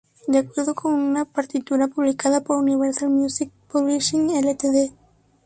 De acuerdo con una partitura publicada por Universal Music Publishing Ltd.